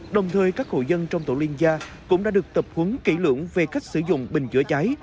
đồng thời các hộ dân trong tổ liên gia cũng đã được tập huấn kỹ lưỡng về cách sử dụng bình chữa cháy